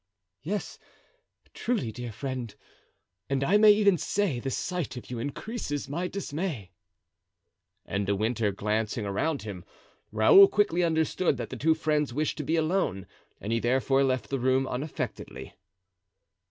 "Yes, truly, dear friend; and I may even say the sight of you increases my dismay." And De Winter glancing around him, Raoul quickly understood that the two friends wished to be alone and he therefore left the room unaffectedly.